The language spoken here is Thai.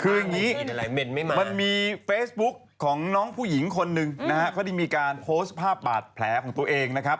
คืออย่างนี้มันมีเฟซบุ๊กของน้องผู้หญิงคนหนึ่งนะฮะเขาได้มีการโพสต์ภาพบาดแผลของตัวเองนะครับ